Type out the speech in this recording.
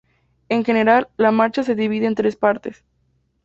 En general, la marcha se divide en tres partes.